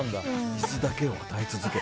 水だけを与え続けた。